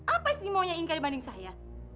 apa sih maunya ingkar dibanding saya